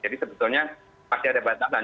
jadi sebetulnya masih ada batasan